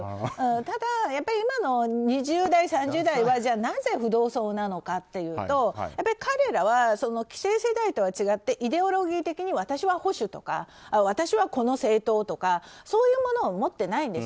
ただ、今の２０代、３０代はじゃあなぜ浮動層なのかというと彼らは既成世代とは違ってイデオロギー的に、私は保守とか私はこの政党とかそういうものを持ってないんです。